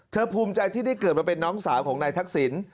ภูมิใจที่ได้เกิดมาเป็นน้องสาวของนายทักษิณ